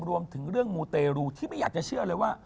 รวมถึงเรื่องมูเตรูที่ไม่อยากจะเชื่อเลยว่า